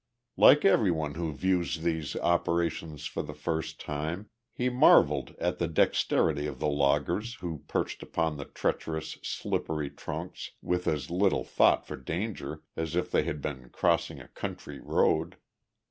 Like everyone who views these operations for the first time, he marveled at the dexterity of the loggers who perched upon the treacherous slippery trunks with as little thought for danger as if they had been crossing a country road.